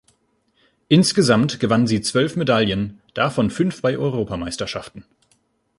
Insgesamt gewann sie zwölf Medaillen, davon fünf bei Europameisterschaften.